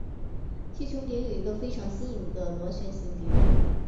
其穹顶有一个非常新颖的螺旋形顶塔。